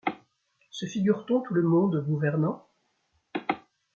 Se figure-t-on tout le monde gouvernant ?